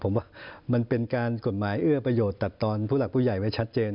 ผมว่ามันเป็นการกฎหมายเอื้อประโยชน์ตัดตอนผู้หลักผู้ใหญ่ไว้ชัดเจน